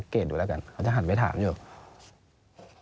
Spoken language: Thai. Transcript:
คือจะขันไปถามต่อ